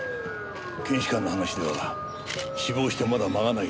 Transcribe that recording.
検視官の話では死亡してまだ間がない。